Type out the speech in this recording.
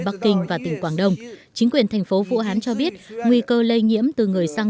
bắc kinh và tỉnh quảng đông chính quyền thành phố vũ hán cho biết nguy cơ lây nhiễm từ người sang